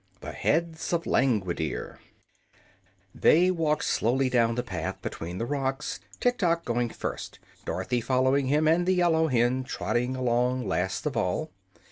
The Heads of Langwidere They walked slowly down the path between the rocks, Tiktok going first, Dorothy following him, and the yellow hen trotting along last of all.